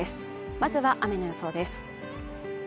まずは雨の予想です。